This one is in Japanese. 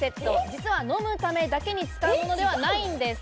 実は飲むためだけに使うものではないんです。